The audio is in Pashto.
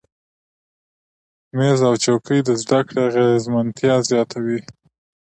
میز او چوکۍ د زده کړې اغیزمنتیا زیاتوي.